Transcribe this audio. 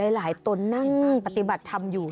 หลายตันนั่งปฏิบัติธรรมอยู่